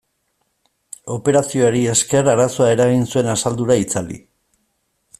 Operazioari esker arazoa eragin zuen asaldura itzali.